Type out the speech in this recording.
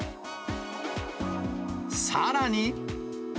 さらに。